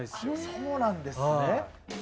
そうなんですね。